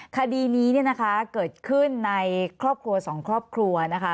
คดีนี้เนี่ยนะคะเกิดขึ้นในครอบครัวสองครอบครัวนะคะ